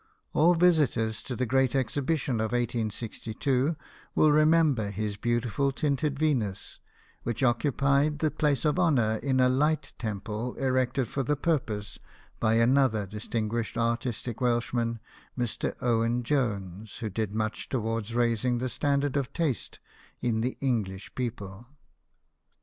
All visitors to the great Exhibition of 1862 will remember his beautiful tinted Venus, which occupied the place of honour in a light temple erected for the purpose by another distinguished artistic Welsh man, Mr. Owen Jones, who did much towards raising the standard of taste in the English people.